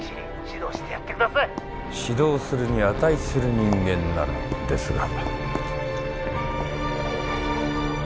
指導するに値する人間ならですが。